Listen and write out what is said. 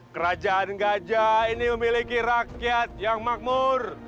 kerajaan gajah ini memiliki rakyat yang makmur